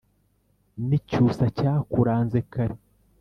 N'Icyusa cyakuranze kare